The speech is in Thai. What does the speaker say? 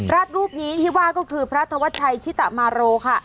รูปนี้ที่ว่าก็คือพระธวัชชัยชิตมาโรค่ะ